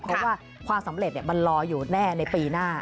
เพราะว่าความสำเร็จมันรออยู่แน่ในปีหน้า